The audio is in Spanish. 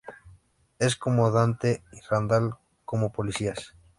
Es como Dante y Randal como policías.